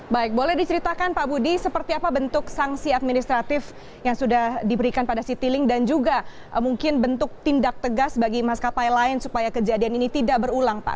baik boleh diceritakan pak budi seperti apa bentuk sanksi administratif yang sudah diberikan pada citilink dan juga mungkin bentuk tindak tegas bagi maskapai lain supaya kejadian ini tidak berulang pak